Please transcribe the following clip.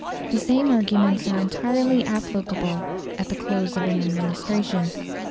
The same arguments are entirely applicable at the close of an administration.